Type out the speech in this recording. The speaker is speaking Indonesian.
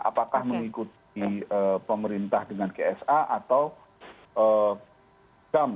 apakah mengikuti pemerintah dengan gsa atau gam